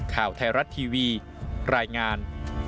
ข่าวไทยรัฐทีวีรายงาน